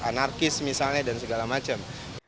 anarkis misalnya dan segala macam